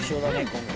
今回。